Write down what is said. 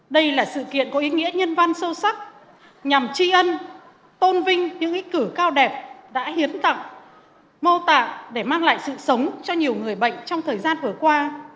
đây là sự kiện có ý nghĩa nhân văn sâu sắc nhằm tri ân tôn vinh những ý cử cao đẹp đã hiến tặng mô tạng để mang lại sự sống cho nhiều người bệnh trong thời gian vừa qua